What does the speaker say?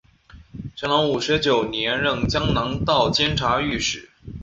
乾隆五十九年任江南道监察御史。